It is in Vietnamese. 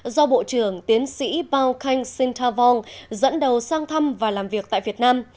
do bộ trưởng tiến sĩ bao khanh sintavong dẫn đầu sang thăm và làm việc tại việt nam